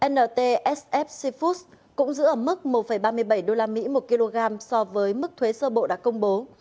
ntsfc foods cũng giữ ở mức một ba mươi bảy usd một kg so với mức thuế sơ bộ đã công bố